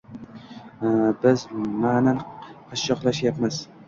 Biz ma`nan qashshoqlashyapmiz